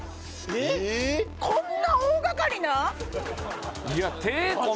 えこんな大がかりな？